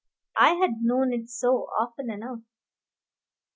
I had known it so, often enough.